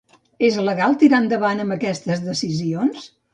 És legal tirar endavant amb aquestes decisions?